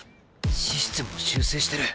システムを修正してる。